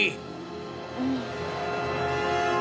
うん。